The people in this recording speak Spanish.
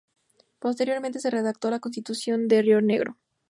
Posteriormente se redactó la Constitución de Rionegro.